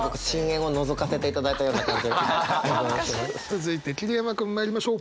続いて桐山君まいりましょう。